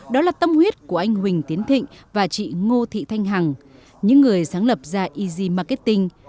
đó là tâm huyết của anh huỳnh tiến thịnh và chị ngô thị thanh hằng những người sáng lập ra easy marketing